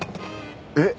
えっ！